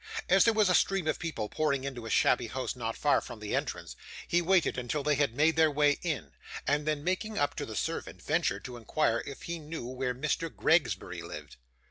As there was a stream of people pouring into a shabby house not far from the entrance, he waited until they had made their way in, and then making up to the servant, ventured to inquire if he knew where Mr. Gregsbury lived.